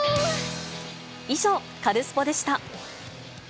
以上、カルスポっ！でした。